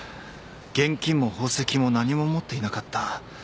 現金も宝石も何も持っていなかった。